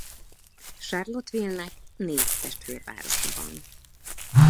Charlottesville-nek négy testvérvárosa van.